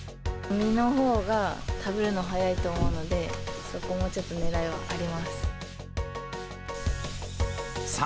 身のほうが食べるの速いと思うので、そこもちょっとねらいもあり